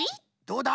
どうだ？